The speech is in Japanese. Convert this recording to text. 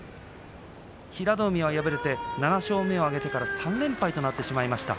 平戸海は敗れて７勝目を挙げてから３連敗となってしまいました。